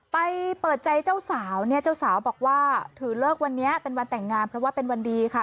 เปิดใจเจ้าสาวเนี่ยเจ้าสาวบอกว่าถือเลิกวันนี้เป็นวันแต่งงานเพราะว่าเป็นวันดีค่ะ